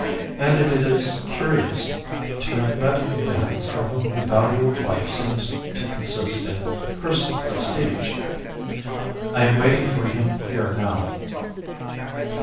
And it is curious to have met a man for whom the value of life seems to consist in personal prestige. "I am waiting for him here now.